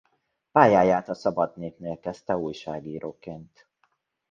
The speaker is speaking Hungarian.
Pályáját a Szabad Népnél kezdte újságíróként.